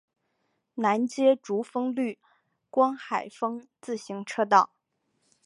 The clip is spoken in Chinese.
南接竹风绿光海风自行车道。